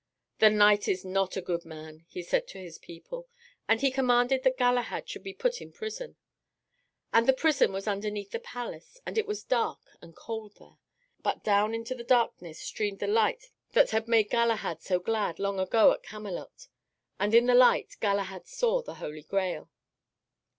"The knight is not a good man," he said to his people, and he commanded that Galahad should be put in prison. And the prison was underneath the palace, and it was dark and cold there. But down into the darkness streamed the light that had made Galahad so glad long ago at Camelot. And in the light Galahad saw the Holy Grail.